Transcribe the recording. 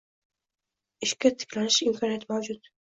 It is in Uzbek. Ishga tiklanish imkoniyati mavjud.